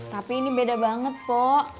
tapi ini beda banget po